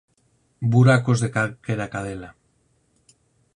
Buracos de calquera cadela...